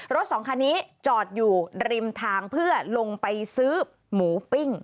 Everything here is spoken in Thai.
สองคันนี้จอดอยู่ริมทางเพื่อลงไปซื้อหมูปิ้ง